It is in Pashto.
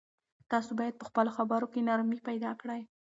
تاسو باید په خپلو خبرو کې نرمي پیدا کړئ.